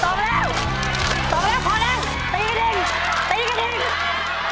ต่อไปแล้วต่อไปแล้วพอแล้วตีกระดิ่งตีกระดิ่ง